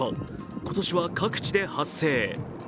今年は各地で発生。